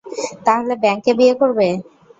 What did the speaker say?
তাহলে ব্যাঙকে বিয়ে করবে?